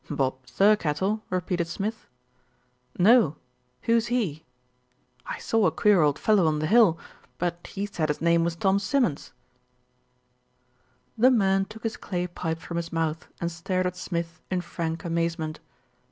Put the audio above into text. "Bob Thirkettle," repeated Smith. "No, who's he? LITTLE BILSTEAD RECEIVES A SHOCK 77 I saw a queer old fellow on the hill; but he said his name was Tom Simmons." The man took his clay pipe from his mouth and stared at Smith in frank amazement.